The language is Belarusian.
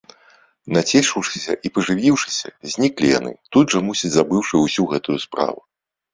Нацешыўшыся і пажывіўшыся, зніклі яны, тут жа, мусіць, забыўшы ўсю гэтую справу.